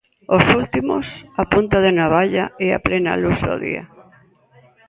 Os últimos, a punta de navalla e a plena luz do día.